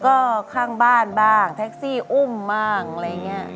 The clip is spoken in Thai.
ก็ข้างบ้านบ้างแท็กซี่อุ้มบ้างอะไรอย่างนี้